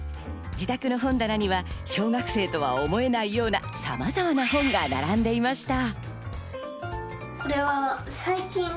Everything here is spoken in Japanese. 自宅の本棚には小学生とは思えないような、さまざまな本が並んでいました。